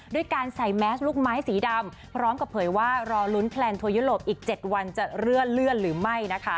ด้วยการใส่แมสลูกไม้สีดำพร้อมกับเผยว่ารอลุ้นแคลนด์โทยุโลปอีก๗วันจะเลื่อนเหลื่อนหรือไม่